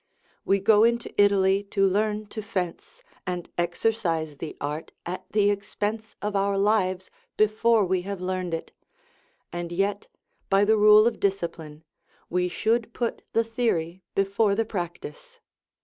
We go into Italy to learn to fence, and exercise the art at the expense of our lives before we have learned it; and yet, by the rule of discipline, we should put the theory before the practice.